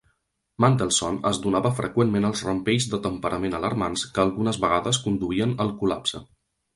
Mendelssohn es donava freqüentment als rampells de temperament alarmants que algunes vegades conduïen al col·lapse.